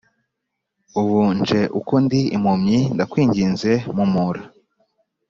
Ubu nje uko ndi impumyi ndakwingize mpumura